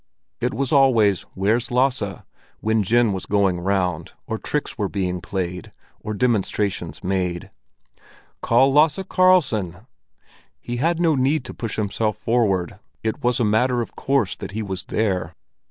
It was always "Where's Lasse?" when gin was going round, or tricks were being played, or demonstrations made. "Call Lasse Karlsson!" He had no need to push himself forward; it was a matter of course that he was there.